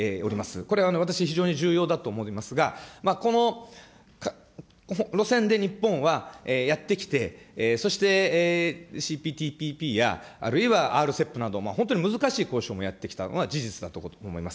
これ、私非常に重要だと思いますが、この路線で日本はやってきて、そしてＣＰＴＰＰや、あるいはＲＣＥＰなど、本当に難しい交渉もやってきたのは事実だと思います。